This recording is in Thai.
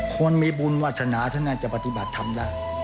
คนมีบุญวาชนาจะปฏิบัติทำได้